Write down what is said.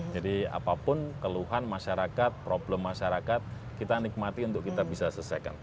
jadi apapun keluhan masyarakat problem masyarakat kita nikmati untuk kita bisa selesaikan